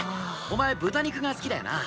お前豚肉が好きだよな。